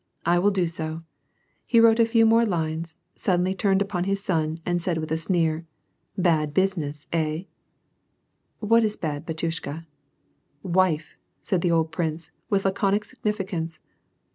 " I will do so." He wrote a few more lines, suddenly turned upon his son, and said with a sneer :" Bad business, hey ?"" What is bad, batyushka ?"" Wife !" said the old prince, with laconic significance.